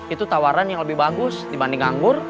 itu tawaran yang lebih bagus dibanding nganggur